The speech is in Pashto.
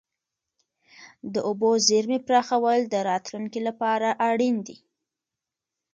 د اوبو زیرمې پراخول د راتلونکي لپاره اړین دي.